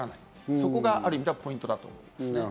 そこがある意味でポイントだと思います。